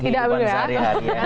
kehidupan sehari hari ya